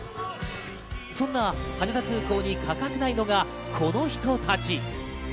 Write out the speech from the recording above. そんな羽田空港に欠かせないのがこの人たち。